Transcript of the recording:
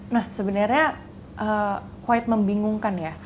nah sebenarnya quid membingungkan ya